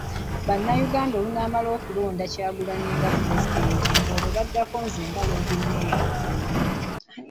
Bannayuganda olunaamala okulonda Kyagulanyi nga Pulezidenti ng'olwo baddako nze nga Loodimmeeya waabwe.